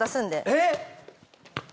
えっ！